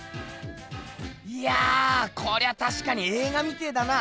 いやこりゃたしかにえい画みてぇだな。